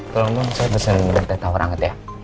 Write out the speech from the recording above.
tolong saya pesen medetan tawar hangat ya